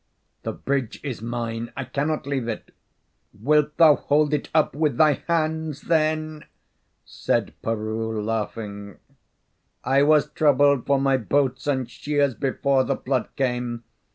"The bridge is mine; I cannot leave it." "Wilt thou hold it up with thy hands, then?" said Peroo, laughing. "I was troubled for my boats and sheers before the flood came.